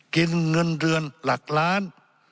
กินเงินเดือนหลักล้าน